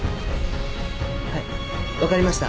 はい分かりました